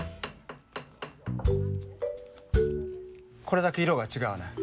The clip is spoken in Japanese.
これだけ色が違うねん。